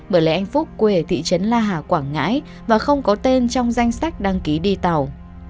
bởi lê anh phúc quê ở thị trấn la hà quảng ngãi và không có tên trong danh sách đăng ký đi tàu